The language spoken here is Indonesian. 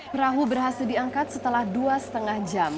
perahu berhasil diangkat setelah dua lima jam